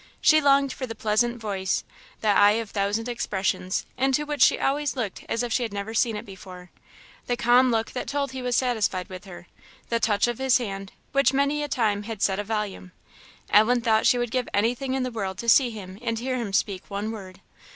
She longed for the pleasant voice, the eye of thousand expressions, into which she always looked as if she had never seen it before, the calm look that told he was satisfied with her, the touch of his hand, which many a time had said a volume. Ellen thought she would give anything in the world to see him and hear him speak one word.